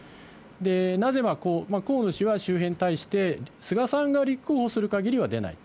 なぜ河野氏は周辺に対して、菅さんが立候補するかぎりは出ない。